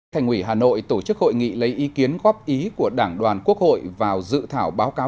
thành ủy hà nội tổ chức hội nghị lấy ý kiến góp ý của đảng đoàn quốc hội vào dự thảo báo cáo